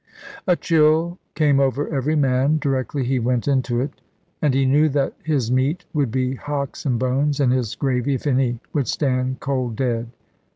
A chill came over every man, directly he went into it; and he knew that his meat would be hocks and bones, and his gravy (if any) would stand cold dead.